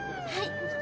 はい。